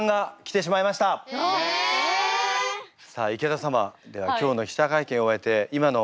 さあ池田様では今日の記者会見を終えて今のお気持ちは？